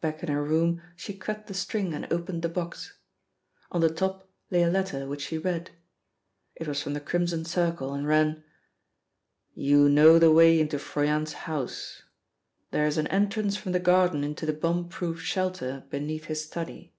Back in her room she cut the string and opened the box. On the top lay a letter which she read. It was from the Crimson Circle, and ran: 'You know the way into Froyant's house. There is an entrance from the garden into the bomb proof shelter beneath his study.